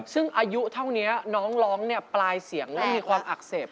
ซึ่งอายุเท่านี้น้องร้องเนี่ยปลายเสียงแล้วมีความอักเสบ